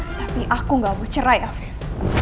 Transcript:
tapi aku gak mau cerai alfian